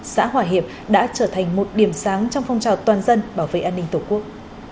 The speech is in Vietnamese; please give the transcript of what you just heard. xã hòa hiệp đã trở thành một điểm sáng trong phong trào toàn dân bảo vệ an ninh tổ quốc